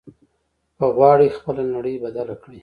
که غواړې خپله نړۍ بدله کړې.